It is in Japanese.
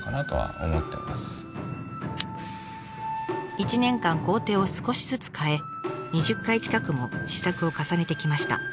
１年間工程を少しずつ変え２０回近くも試作を重ねてきました。